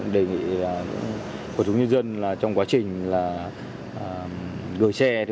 đề nghị quận chủ nhân dân trong quá trình gửi xe